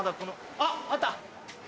あっあった！